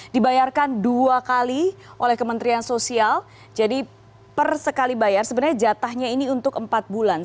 dibayarkan dua kali oleh kementerian sosial jadi per sekali bayar sebenarnya jatahnya ini untuk empat bulan